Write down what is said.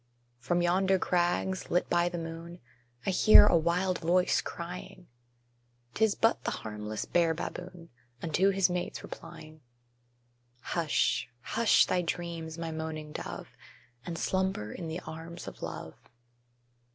From yonder crags, lit by the moon, I hear a wild voice crying: 'Tis but the harmless bear baboon, Unto his mates replying. Hush hush thy dreams, my moaning dove, And slumber in the arms of love!